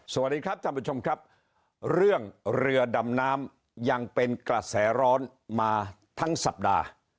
สวัสดีครับท่านผู้ชมครับเรื่องเรือดำน้ำยังเป็นกระแสร้อนมาทั้งสัปดาห์